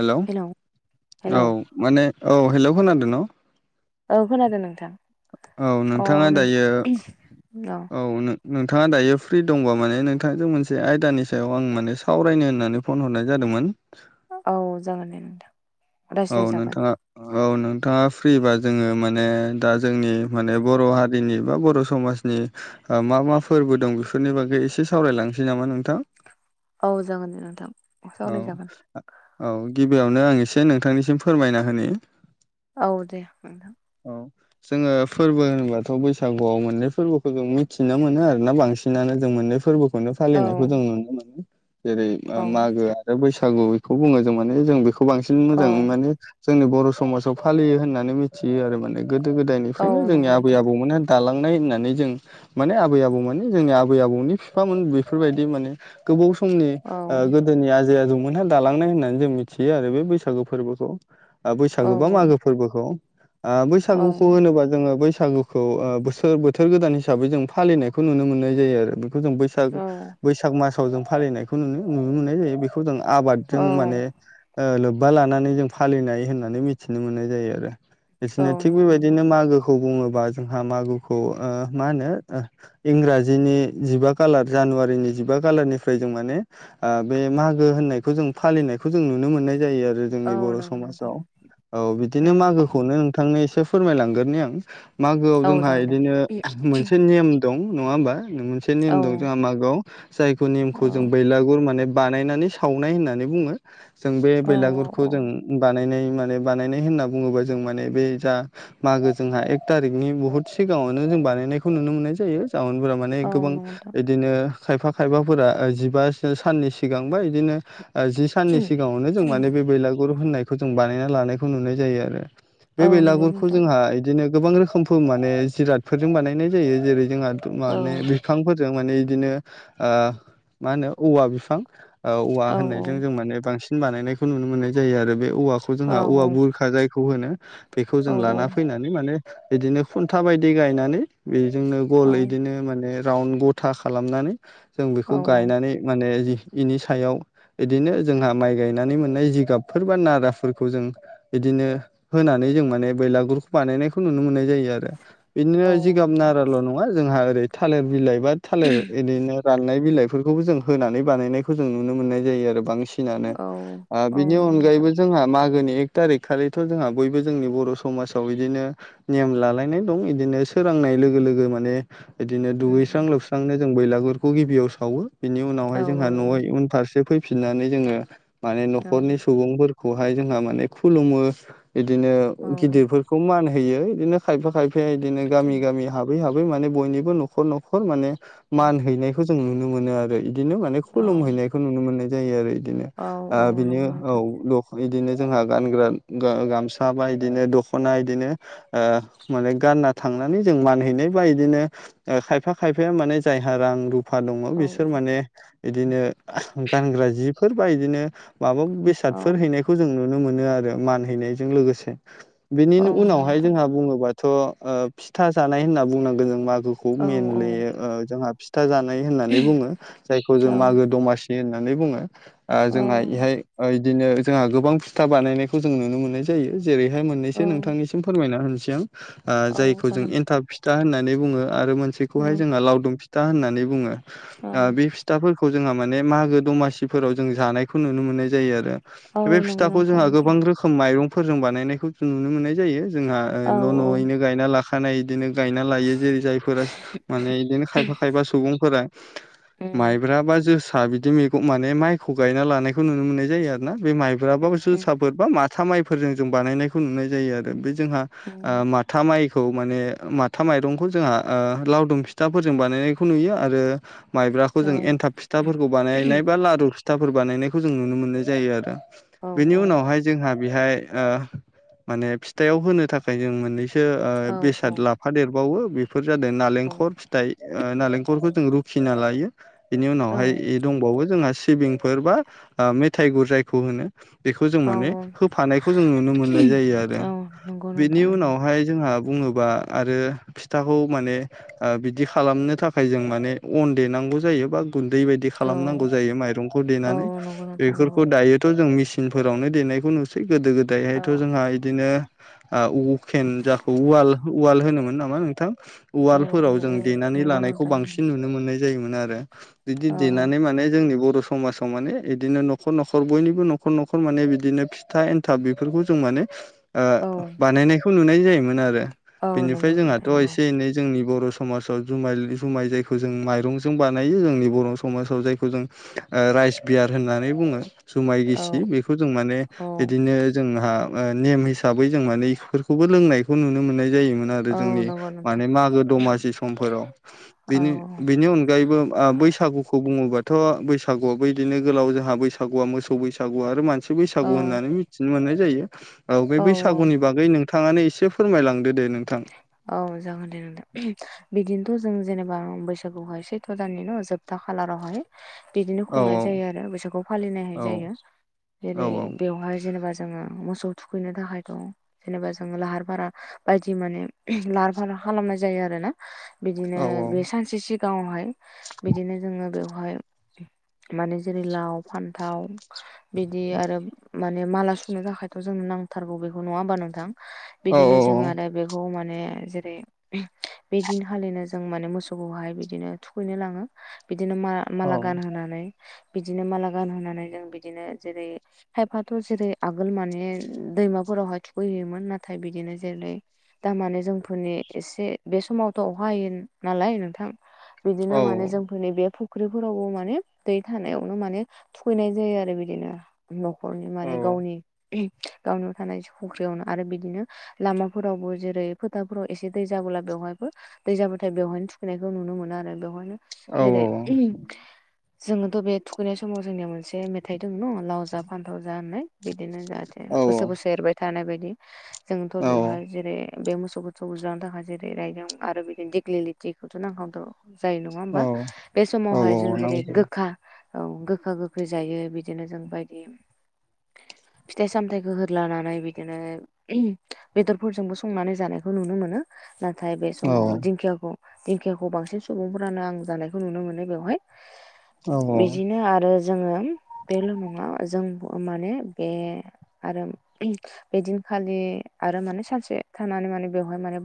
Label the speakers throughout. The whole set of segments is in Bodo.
Speaker 1: हेलौ औ
Speaker 2: हेलौ
Speaker 1: माने औ हेलौ खोनादों न
Speaker 2: औ खोनादों नोंथां
Speaker 1: औ
Speaker 2: अ
Speaker 1: नोंथाङा
Speaker 2: नों
Speaker 1: दायो औ नो नोंथाङा दायो फ्रि दंबा माने नोंथांजों मोनसे आयदानि सायाव आं माने सावरायनो होननानै फन हरनाय जादोंमोन
Speaker 2: औ जागोन दे नोंथां
Speaker 1: औ
Speaker 2: रायज्लायजागोन
Speaker 1: नोंथाङा औ नोंथाङा फ्रिबा जोङो माने दा जोंनि माने बर' हारिनि बा बर समाज समाजनि ओ मा मा फोरबो दं बेफोरनि बागै एसे सावरायलांनोसै नामा नोंथां
Speaker 2: औ जागोन दे नोंथां
Speaker 1: औ
Speaker 2: सावरायजागोन
Speaker 1: औ गिबियावनो आं एसे नोंथांनिसिम फोरमायना होनि
Speaker 2: औ दे नोंथां
Speaker 1: औ जोङो फोरबो होनोबाथ' बैसागुआव मोननै फोरबोखौ जों मिथिनो मोनो आरोना बांसिनानो जों मोननै फोरबोखौ नो
Speaker 2: औ
Speaker 1: फालिनायखौ जों नुनो मोनो जेरै
Speaker 2: औ
Speaker 1: मागो बे बैसागु बेखौ बुङो जों माने जों बेखौ बांसिन
Speaker 2: औ
Speaker 1: मोजाङै माने जोंनि बर' समाजाव फालियो होननानै मिथियो आरो माने गोदो
Speaker 2: औ
Speaker 1: गोदायनिफ्रायनो जोंनि
Speaker 2: नंगौ
Speaker 1: आबै
Speaker 2: नोंथां
Speaker 1: आबौमोन होन दालांनाय होननानै जों माने आबै आबौ माने जोंनि आबै आबौनि फिफामोन बेफोरबायदि माने गोबाव समनि
Speaker 2: औ
Speaker 1: गोदोनि आजै आजौमोनहा दालांनाय होननानै जों मिथियो आरो बे बैसागु फोरबोखौ
Speaker 2: औ
Speaker 1: बैसागो बा मागो फोरबोखौ आ
Speaker 2: औ
Speaker 1: बैसागुखौ होनोबा जोङो बैसागु खौ ओ बोसोर बोथोर गोदान हिसाबै जों फालिनायखौ नुनो मोननाय जायो आरो जों बैसाग
Speaker 2: औ
Speaker 1: बैसाग मासाव जों फालिनायखौ नुनो नुनो मोननाय जायो बे खौजों आबादजों
Speaker 2: औ
Speaker 1: माने लो लोबबा लानानै जों फालिनाय होननानै मिथिनो मोननाय जायो आरो
Speaker 2: औ
Speaker 1: बिसोरनो थिग
Speaker 2: नंगौ नोंथां
Speaker 1: बेबायदिनो मागोखौ खौ बुङोबा जोंहा मागोखौ ओ मा होनो ओ इंराजिनि जिबा खालार जानुवारिनि जिबा खालारनिफ्राय जों माने ओ बे मागो होननायखौ जों फालिनायखौ जों नुनो मोननाय जायो आरो
Speaker 2: औ
Speaker 1: जोंनि बर'
Speaker 2: नंगौ नोंथां
Speaker 1: समाजाव औ बिदिनो
Speaker 2: उम
Speaker 1: मागो नोंथांनो एसे फोरमायलांगोरनि आं मागोआव
Speaker 2: औ
Speaker 1: जोंहा
Speaker 2: जागोन दे
Speaker 1: बिदिनो मोनसे नेम दं नङा होनबा मोनसे
Speaker 2: औ
Speaker 1: नेम दं जोंहा मागोआव जायखौ
Speaker 2: औ
Speaker 1: नेमखौ जों बैलागुर माने बानायनानै सावनाय होननानै बुङो जों बे
Speaker 2: औ
Speaker 1: बेलागुरखौ
Speaker 2: औ
Speaker 1: जों बानायनाय माने बानायनाय होनना बुङोबा जों माने बे जा मागो जोंहा एक थारिखनि बहुत सिगाङावनो जों बानायनायखौ नुनो मोननाय जायो जावोनफोरा माने
Speaker 2: औ
Speaker 1: गोबां
Speaker 2: नंगौ नोंथां
Speaker 1: बिदिनो खायफा खायफाफोरा जिबा साननि सिगांबा बिदिनो जि साननि सिगाङावनो जों माने बे बैलागुर होननायखौ जों बानायना लानायखौ नुनाय जायो आरो बे
Speaker 2: औ नंगौ
Speaker 1: बेलागुरखौ
Speaker 2: नोंथां
Speaker 1: जोंहा बिदिनो गोबां रोखोमफोर माने जिरादफोरजों बानायनाय जायो जेरै जोंहा
Speaker 2: औ
Speaker 1: माने बिफांफोरजों माने इदिनो मा होनो औवा बिफां औवा
Speaker 2: औ
Speaker 1: होननायजों जों माने बांसिन बानायनायखौ नुनो मोननाय जायो आरो बे औवाखौ
Speaker 2: औ
Speaker 1: जोंहा औवा बुरखा जाय बेखौ होनो बेखौ जों
Speaker 2: औ औ
Speaker 1: लाना फैनानै माने बिदिनो खुन्था बायदि गायनानै बेजोंनो
Speaker 2: औ
Speaker 1: गल बिदिनो माने राउन्ड गथा खालामनानै जों
Speaker 2: औ
Speaker 1: बेखौ गायनानै माने इ इनि सायाव बिदिनो जोंहा माइ गायनानै मोननाय जिगाबफोर बा नाराफोरखौ जों बिदिनो होनानै जों माने बैलागुरखौ बानायनायखौ नुनो मोननाय जायो आरो बिदिनो
Speaker 2: औ
Speaker 1: जिगाब नाराल' नङा बा जोंहा ओरै थालेर बिलाइ बा थालेर बिदिनो रान नाय बिलाइफोरखौबो जों होनानै बानायनायखौ जों नुनो मोननाय जायो आरो बां सिनानो
Speaker 2: औ औ
Speaker 1: बिनि
Speaker 2: नंगौ नोंथां
Speaker 1: अनगायैबो जोंहा मागोनि एक थारिक खालिथ' जोंहा बयबो जोंनि बर' समाजाव बिदिनो नियम लालायनाय दं बिदिनो सोरांनाय लोगो लोगो माने बिदिनो
Speaker 2: उम
Speaker 1: दुगैस्रां लोबस्रांनो जों बैलागुरखौ गिबियाव सावो बिनि
Speaker 2: औ
Speaker 1: उनावहाय जोंहा न' उनफारसे फैफिननानै जोङो माने
Speaker 2: औ
Speaker 1: न'खरनि सुबुंफोरखौहाय जोंहा माने खुलुमो बिदिनो गिदिरफोरखौ मान होयो बिदिनो खायफा खायफाया बिदिनो गामि गामि हाबै हाबै माने बयनिबो न'खर न'खर माने
Speaker 2: औ
Speaker 1: मान हैनाय खौ जों नुनो मोनो आरो इदिनो माने
Speaker 2: औ
Speaker 1: खुलुमहैनायखौ नुनो मोननाय जायो आरो इदिनो
Speaker 2: औ
Speaker 1: ओ
Speaker 2: औ
Speaker 1: बिनो
Speaker 2: नंगौ नोंथां
Speaker 1: औ बिदिनो जोंहा गानग्रा गाम साबा इदिनो दख'ना इदिनो ओ माने गानना थांनानै जों मानहैनाय बा इदिनो ओ खायफा खायफाया माने जायहा रां रु फा दङ
Speaker 2: औ
Speaker 1: बिसोर माने बिदिनो गानग्रा जिफोर बा इदिनो माबा बे
Speaker 2: औ
Speaker 1: सादफोर हैनायखौ जों नुनो मोनो आरो मान हैैनायजों लोगोसे बेनि
Speaker 2: औ नंगौ
Speaker 1: उनावहाय
Speaker 2: नोंथां
Speaker 1: जोंहा बुङोबाथ' ओ फिथा जानाय होनना बुंनांगोन जों मागो खौ
Speaker 2: औ
Speaker 1: मेलनि ओ जोंहा फिथा जानाय होननानै बुङो जायखौ
Speaker 2: औ
Speaker 1: जों मागो दमा सि होननानै बुङो ओ
Speaker 2: औ
Speaker 1: जोंहा इहाय बिदिनो जोंहा गोबां फिथा बानायनायखौ जों नुनो मोननाय जायो जेरैहाय
Speaker 2: औ
Speaker 1: मोननैसो नोंथांनिसिम फोरमायना होनोसै आं ओ
Speaker 2: औ
Speaker 1: जायखौ जों
Speaker 2: जागोन
Speaker 1: एन्थाब फिथा होननानै बुङो आरो
Speaker 2: औ
Speaker 1: मोनसेखौहाय जोंहा लावदुम फिथा होननानै बुङो बे फिथाफोरखौ जोंहा माने मागो दमासिफोराव जों जानायखौ नुनो मोननाय जायो आरो।
Speaker 2: औ
Speaker 1: बे
Speaker 2: नंगौ
Speaker 1: फिथाखौ
Speaker 2: नोंथां
Speaker 1: जोंहा
Speaker 2: नंगौ
Speaker 1: गोबां रो खोम माइरंफोरजों बानायनायखौ जों नुनो मोननाय जायो जोंहा
Speaker 2: औ
Speaker 1: न' न'यैनो गायना ला खानाय बिदिनो गायना लायो जेरै जायफोरा माने बिदिनो खायफा खायफा सुबुंफोरा
Speaker 2: उम
Speaker 1: माइब्रा बा जोसा बिदि मैगं माने माइखौ गायना लानायखौ नुनो मोननाय जायो आरोना बे माइ ब्रा बा जोसाफोर
Speaker 2: उम
Speaker 1: बा माथा माइफोरजों जों बानायनायखौ नुनाय जायो आरो बै जोंहा
Speaker 2: उम
Speaker 1: माथा माइखौ माने माथा माइरंखौ जोंहा ओ लावदुम फिथाफोरजों बानायनायखौ नुयो आरो माइब्राखौ
Speaker 2: औ
Speaker 1: जों एनथाब फिथाफोरखौ बानायनाय बा लारु फिथाफोर बानायनायखौ जों नुनो मोननाय जायो आरो बेनि उनावहाय जोंहा बेहाय ओ माने फिथाइाव होनो थाखाय जों मोननैसो ओ बेसाद लाफा देरबावो बेफोर जादों नालेंखर फिथाइ ओ नालेंखलखौ जों रुखिना लायो बिनि
Speaker 2: औ
Speaker 1: उनावहाय इ दंबावो जोंहा सिबिंफोर बा मेथाइ गुर जायखौ होनो बेखौ जों
Speaker 2: औ
Speaker 1: माने होफानायखौ खौ जों नुनो मोननाय जायो आरो
Speaker 2: औ नंगौ नोंथां
Speaker 1: बेनि
Speaker 2: नंगौ
Speaker 1: उनावहाय जोंहा बुङोबा आरो फिथाखौ माने बिदि खालामनो थाखाय जों माने अन देनांगौ जायो बा गुन्दै बायदि खालामनांगौ
Speaker 2: औ
Speaker 1: जायो माइरंखौ
Speaker 2: औ
Speaker 1: देनानै
Speaker 2: नंगौ नोंथां नंगौ
Speaker 1: बेफोरखौ दायोथ' जों मेसिनफोरावनो देनायखौ नुसै गोदो
Speaker 2: औ
Speaker 1: गोदायहायथ' जोंहा बिदिनो ओ उकेन जाखौ उवाल उवाल होनोमोन नामा नोंथां
Speaker 2: उम
Speaker 1: उवालफोराव
Speaker 2: उम
Speaker 1: जों
Speaker 2: उम
Speaker 1: देनानै
Speaker 2: नंगौ
Speaker 1: लानायखौ
Speaker 2: नोंथां नंगौ
Speaker 1: बांसिन नुो नुनो मोननाय जायो मोन‌ आरो बिदि
Speaker 2: औ
Speaker 1: देनानै माने जोंनि बर' समाजाव समाजाव माने बिदिनो न'खर न'खर बयनिबो न'खर न'खर माने बिदिनो फिथा ए थाब बेफोरखौ जों माने
Speaker 2: औ
Speaker 1: बानायनायखौ नुनाय जायोमोन आरो
Speaker 2: औ नंगौ
Speaker 1: बेनिफ्राय
Speaker 2: नोंथां
Speaker 1: जोंहाथ'
Speaker 2: नंगौ
Speaker 1: एसे एनै जोंनि बर' समाजाव जुमाय जुमाय जायखौ जों माइरंजों बानायो जोंनि बर' समाजाव जायखौ जों राइस बियार होननानै बुङो जुमाय
Speaker 2: औ
Speaker 1: गिसि बेखौ जों माने
Speaker 2: औ
Speaker 1: नो जोंहा नेम हिसाबै जों माने इफोरखौबो लोंनायखौ नुनो मोननाय जायोमोन आरो
Speaker 2: औ
Speaker 1: जोंनि
Speaker 2: नंगौ नोंथां
Speaker 1: मने मागो दमासि समफोराव
Speaker 2: औ
Speaker 1: बेनो बेनो अनग नों अनगायबो बैसागुखौ बुङोबाथ' बैसागुआबो बिदिनो गोलाव जोंहा बैसागुआ मोसौ बैसागुआ आरो मान मोनसे
Speaker 2: औ
Speaker 1: बैसागु होननानै मिथिनो मोननाय जायो बे
Speaker 2: औ औ
Speaker 1: बैसागुनि बागै नों थांनानै एसे फोरमायलांदो दे नोंथां
Speaker 2: औ जागोन दे नोंथां बिदिनोथ' जों जेनेबा बैसागुहाय सैथ' दाननि न' जोबथा खालारावहाय बिदिनो
Speaker 1: औ
Speaker 2: खुंनाय जायो आरो बैसोरखौ फालिनायाय
Speaker 1: औ
Speaker 2: जायो
Speaker 1: औ
Speaker 2: जेरै बेवहाय जेनेबा ज मोसौ थुखैनो थाखाय दं जेनेबा जो लाहार फारा बाय बिदि माने लाहार फार खालामनाय जायो आरो ना बिदिनो
Speaker 1: औ
Speaker 2: बे सानसे सिगाङावहाय बिदिनो जोङो बेवहाय माने जेरै लाव फान्थाव बिदि आरो माने माला सुनो थाखायथ' जों नांथारगौ बेखौ नङा होमबा नोंथां
Speaker 1: औ
Speaker 2: बिदिनो जोङो आरो बेखौ माने जेरै बे दिनखालिनो जों माने मोसौखौहाय बिदिनो थुखैनो लाङो बिदिनो मा माला गानहोनानै बिदिनो माला गानहोनानै जों बिदिनो जेरै खाइफाथ' जेरै आगोल माने दैमाफोरावहाय थुखैहयोमोन नाथाय बिदिनो जेरै दामाने जोंफोरनि एसे बे समावथ' अह हायोन नालाय नोंथां बिदिनो
Speaker 1: औ
Speaker 2: माने जोंफोरनि बे फुख्रि फुख्रिफोरावबो माने दै थानायावनो माने थुखैनाय जायो आरो बिदिनो न नखरनि माने गावनि गावनो थानाय फुख्रियावनो आरो बिदिनो लामा फोरावबो जेरै फोथाफोराव एसे दै जाबोला बेवहायबो दै जाबाथाय बेवहायनो थुखैनायखौ नुनो मोनो आरो बेवहायनो
Speaker 1: औ
Speaker 2: जेरै जोङोथ' बे थुखैनाय समाव जोंनिया मोनसे मेथाइ दङ न लाव जा फान्थाव जा होननाय बिदिनो जाहाथे बोसोर बोसोर एरबाय थानाय बायदि जोंथ'
Speaker 1: औ
Speaker 2: बेवहाय जेरै बे मोसौफोरखौफोरखौ बुजारांनो थाखाय जेरै रायजें आरो बिदिनो दिेगलिटिखौथ' नांखावथ जायो नङा होमबा
Speaker 1: औ
Speaker 2: बे
Speaker 1: औ
Speaker 2: समावहाय जों जेरै
Speaker 1: नांगौ
Speaker 2: गोखा औ गोखा गोखै जायो बिदिनो जों बायदि फिथाइ सामथायाइखौ होदलानानै बिदिनो बेदर फोरजोंबो संनानै जानायखौ नुनो मोनो नाथाय बे
Speaker 1: औ
Speaker 2: समाव दिंखियाखौ दिंखियाखौ बांसिन सुबुंफ्रानो आं जानायखौ नुनो मोनो बेवहाय
Speaker 1: औ
Speaker 2: बिदिनो आरो जोङो बेल' नङा जों माने बे आरो बेदिनखालि आरो माने सानसे थानानै माने बेवहाय माने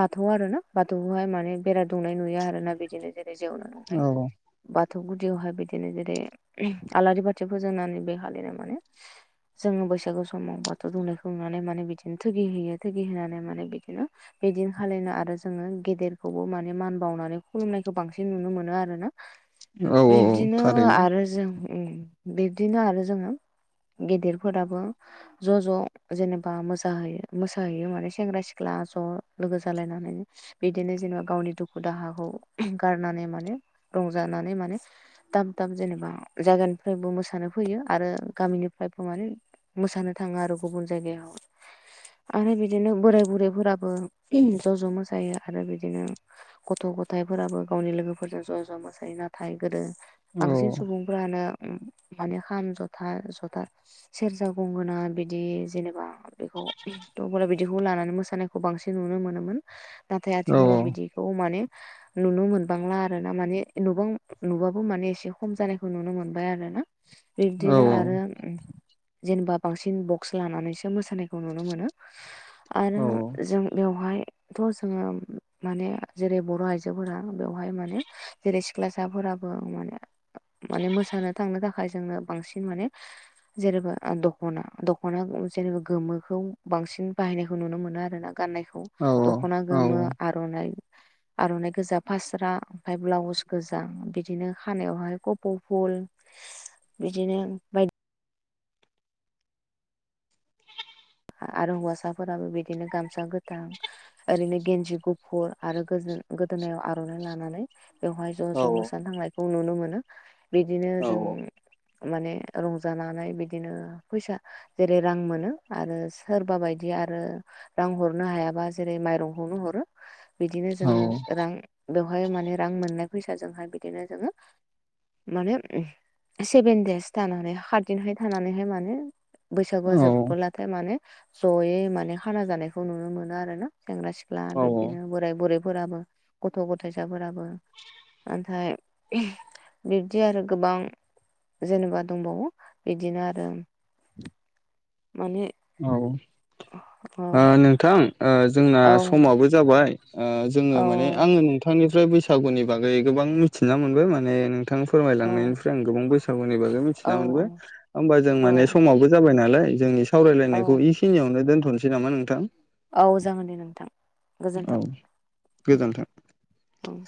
Speaker 2: बाथौ आर ना बाथौखौहाय माने बेरा दुंनाय नुया आर ना बिदिनो जेरै जेवनो [unintelligible]
Speaker 1: औ
Speaker 2: बाथौ गुदियावहाय बिदिनो जेरै आलारि बाथि फोजोंनानै बे हालिरनाय माने जोंङो बैसागु समाव बाथौ दुमनायखौ नुनानै माने बिदिनो थुगि होयो। थगि होनानै माने बिदिनो बिदिन खानो आरो जोंङो गेदेरखौबो माने मान बावनानै खुलुमनायखौ बांसिन नुनो मोनो आरो ना
Speaker 1: औ औ
Speaker 2: बिब्दिनो
Speaker 1: थारैनो
Speaker 2: आरो जों बिब्दिनो आरो जोंङो गेदेरफोराबो ज' ज' जेनेबा मोसाहैयो जायो माने सेंग्रा सिख्ला ज' लोगो जालायनानै बिदिनो जेनेबा गावनि दुखु दाहाखौ गारनानै माने रंजानानै माने दाब दाब जेनेबा जायगानिफ्रायबो मोसानो फैयो आरो गामिनिफ्रायबो माने मोसानो थाङो आरो गुबुन जायगायाव आरो बिदिनो बोराय बुरैफोराबो ज' ज' मोसायो आरो बिदिनो गथ' गथायफोराबो गावनि लोगोफोरजों ज' ज' मोसायो नाथाय गोदो
Speaker 1: औ
Speaker 2: बांसिन सुबुं फानो माने खाम जथा जथा सेरजा गंगोना बिदि जेनेबा बेखौ थ अब्ला बिदिखौ लानानै मोसानायखौ बांसिन नुनो मोनोमोन नाथाय
Speaker 1: औ
Speaker 2: आथिखालाव बिदिखौ माने नुनो मोनबांला आर ना माने नुबां नुबाबो माने एसे खम जानाय खौ नुनो मोनबाय आरो ना
Speaker 1: औ
Speaker 2: बिबदिनो आरो जेनेबा बांसिन बक्स लानानैसो मोसानायखौ नुनो मोनो आरो जों बेवहाय थ' जोंङो माने जेरै बर' आयजोफोरा बेवहाय माने जेरै सिख्लासाफोराबो माने माने मोसानो थांनो थाखाय जोंनो बांसिन माने जेरोबो दखना दख'ना जेरै गोमो खौ बांसिन बाहायनायखौ नुनो मोनो आरो ना गाननायखौ
Speaker 1: औ
Speaker 2: दख'ना गोमो
Speaker 1: औ
Speaker 2: आर'नाइ आर'नाइ गोजा फास्रा ओमफफ्राय ब्लाउस गोजा बिदिनो खानायावहाय कप' फुल बिदिनो बायदि आरो हौवासाफोराबो बिदिनो गामसा गोथां ओरैनो गेनजे गु फुर आरो गोजोन गोदोनायाव आर'नाइ लानानै बेवहाय ज'
Speaker 1: औ
Speaker 2: ज'
Speaker 1: औ
Speaker 2: मोसानो थांनायखौ नुनो मोनो। बिदिनो जों
Speaker 1: औ
Speaker 2: माने रंजानानै बिदिनो फैसा जेरै रां मोनो आरो सोरबा बायदि आरो रां हरनो हायाबा जेरै माइरंखौनो हरो बिदिनो जोंङो
Speaker 1: औ
Speaker 2: रां बेवहाय माने रां मोननाय फैसाजोंहाय बिदिनो जोंङो माने [unintelligible] सेभेनदेस थानानै खाथ दिनहाय थानानैहाय माने बैसागुआ
Speaker 1: औ
Speaker 2: जोबोलाथाय माने जयै माने खाना जानायखौ नुनो मोनो आरो ना सेंग्रा सिख्ला
Speaker 1: औ
Speaker 2: बिदिनो बोराय बुरैफोराबो गथ' गथायाइसाफोराबो नाथाय बिब्दि आरो गोबां जेनेबा दंबावो बिदिनो आरो माने
Speaker 1: औ
Speaker 2: औ
Speaker 1: ओ नोंथां जोंना
Speaker 2: औ
Speaker 1: समाबो जाबाय जोंङो
Speaker 2: औ
Speaker 1: माने आंङो नोंथांनिफ्राय बैसागुनि बागै गोबां मिथिना मोनबाय माने नोंथा
Speaker 2: औ
Speaker 1: फोरमायलांनायनिफ्राय आं गोबां बैसागुनिबाबो
Speaker 2: औ
Speaker 1: मिथिना मोनबाय होमबा जों
Speaker 2: औ
Speaker 1: माने समावबो जाबाय नालाय जोंनि
Speaker 2: औ
Speaker 1: सावरायलायनायखौ इखिनियावनो दोनथ'नोसै नामा नोंथां
Speaker 2: औ जागोन दे नोंथां
Speaker 1: औ
Speaker 2: गोजोन्थाव
Speaker 1: गोजोन्थों
Speaker 2: औ